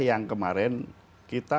yang kemarin kita